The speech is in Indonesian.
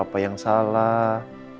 apa yang salah